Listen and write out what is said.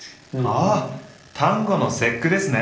ああ端午の節句ですね。